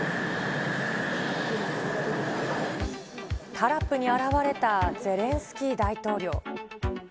タラップに現れたゼレンスキー大統領。